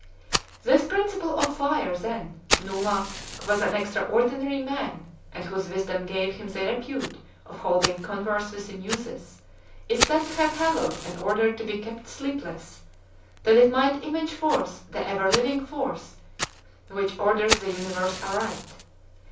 This principle of fire, then, Numa, who was an extra ordinary man, and whose wisdom gave him the repute of holding converse with the Muses, is said to have hallowed and ordered to be kept sleepless, that it might image forth the ever living force which orders the universe aright.